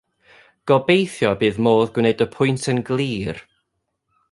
Gobeithio y bydd modd gwneud y pwynt yn glir.